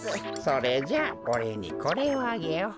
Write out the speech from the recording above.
それじゃあおれいにこれをあげよう。